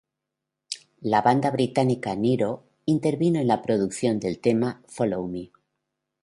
La banda británica Nero, intervino en la producción del tema "Follow Me".